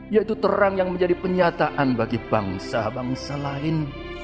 yaitu terang yang menjadi penyataan bagi bangsa bangsa lain